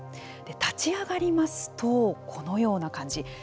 立ち上がりますとこのような感じ。